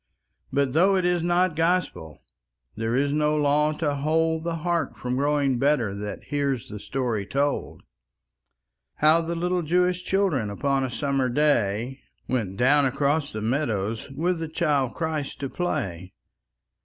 But though it is not Gospel, There is no law to hold The heart from growing better That hears the story told: How the little Jewish children Upon a summer day, Went down across the meadows With the Child Christ to play.